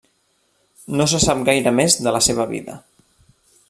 No se sap gaire més de la seva vida.